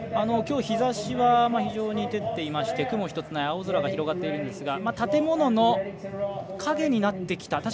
きょう、日ざしは非常に照っていまして雲１つない青空が広がっているんですが建物の陰になってきた。